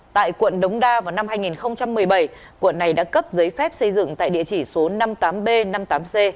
tại quận đống đa vào năm hai nghìn một mươi bảy quận này đã cấp giấy phép xây dựng tại địa chỉ số năm mươi tám b năm mươi tám c